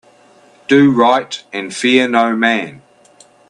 Do right and fear no man.